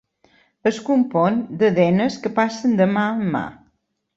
Es compon de denes que passen de mà en mà.